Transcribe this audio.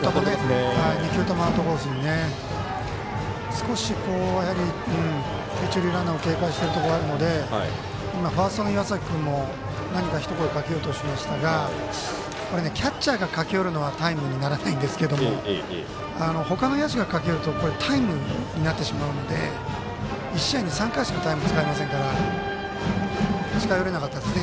少し、ランナーを警戒しているところがあるのでファーストの岩崎君も何かひと言かけようとしましたがキャッチャーが駆け寄るのはタイムにならないんですけどもほかの野手が駆け寄るとタイムになってしまうので１試合に３回しかタイム使えませんから近寄れなかったですね